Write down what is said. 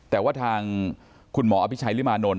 แต่ว่าทางคุณหมออภิชัยริมานนท